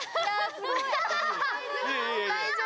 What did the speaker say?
大丈夫？